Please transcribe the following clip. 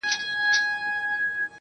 ما د هغې دنيا په فکر ميږی و نه وژنئ~